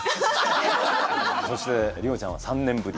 そして里帆ちゃんは３年ぶり。